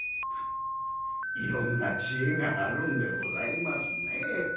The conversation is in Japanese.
「いろんな知恵があるんでございますね。